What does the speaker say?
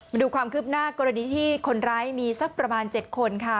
มาดูความคืบหน้ากรณีที่คนร้ายมีสักประมาณ๗คนค่ะ